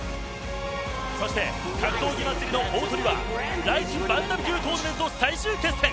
そして、格闘技祭りの大トリはＲＩＺＩＮバンタム級トーナメント最終決戦。